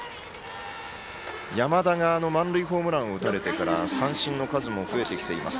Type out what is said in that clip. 山田が満塁ホームランを打たれてから三振の数も増えてきています。